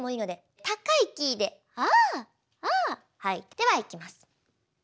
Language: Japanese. ではいきます。